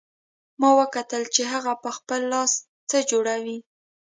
ما وکتل چې هغه په خپل لاس څه جوړوي